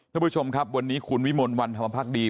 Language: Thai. ทุกผู้ชมครับวันนี้คุณวิมนตร์วันทำภักดี